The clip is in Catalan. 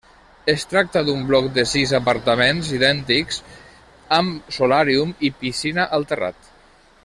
Es tracta d'un bloc de sis apartaments idèntics, amb solàrium i piscina al terrat.